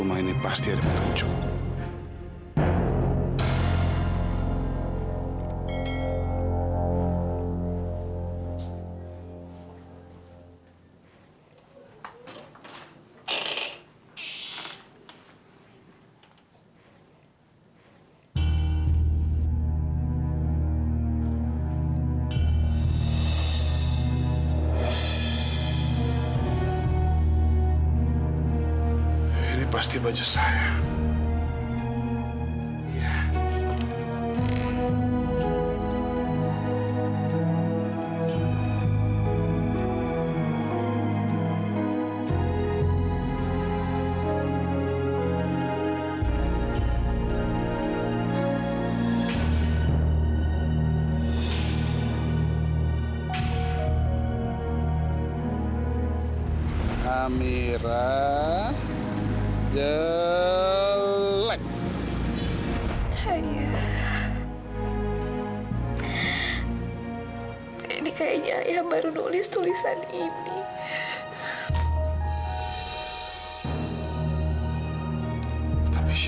apa kamu benar benar anak saya rizky